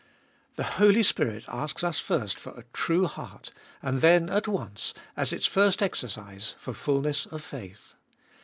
The Holy Spirit asks us first for a true heart, and then at once, as its first exercise, for fulness of faith.